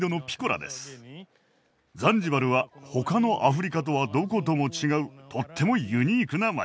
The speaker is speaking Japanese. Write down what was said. ザンジバルは他のアフリカとはどことも違うとってもユニークな街。